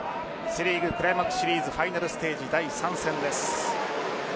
セ・リーグクライマックスシリーズファイナルステージ第３戦です。